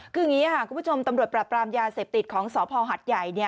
คืออย่างนี้ค่ะคุณผู้ชมตำรวจปราบรามยาเสพติดของสพหัดใหญ่